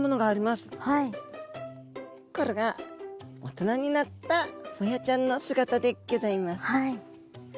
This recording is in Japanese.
これが大人になったホヤちゃんの姿でギョざいます。